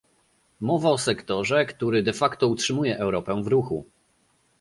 Mowa o sektorze, który de facto utrzymuje Europę w ruchu